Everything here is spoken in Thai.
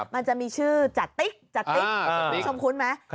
มันจะมีชื่อจาติ๊กจาติ๊กคุณคุ้นไหม